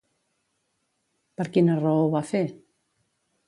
Per quina raó ho va fer?